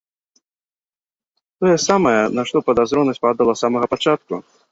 Тое самае, на што падазронасць падала з самага пачатку?!